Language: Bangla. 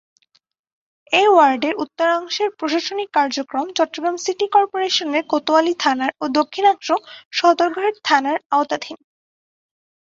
এ ওয়ার্ডের উত্তরাংশের প্রশাসনিক কার্যক্রম চট্টগ্রাম সিটি কর্পোরেশনের কোতোয়ালী থানার ও দক্ষিণাংশ সদরঘাট থানার আওতাধীন।